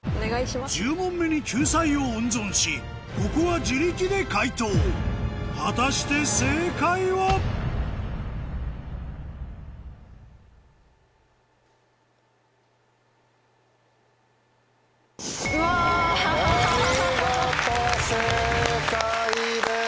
１０問目に救済を温存しここは自力で解答果たして正解は⁉お見事正解です。